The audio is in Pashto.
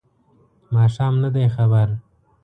ماښام نه دی خبر